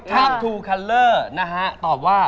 ทัมทูคัลเลอร์ตอบว่า